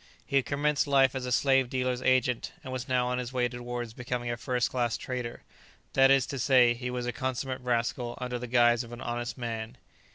He had commenced life as a slave dealer's agent, and was now on his way towards becoming a first class trader; that is to say, he was a consummate rascal under the guise of an honest man.